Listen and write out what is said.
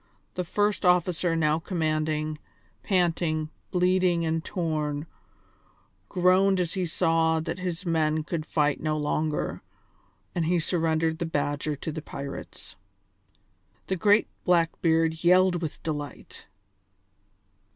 The first officer now commanding, panting, bleeding, and torn, groaned as he saw that his men could fight no longer, and he surrendered the Badger to the pirates. The great Blackbeard yelled with delight.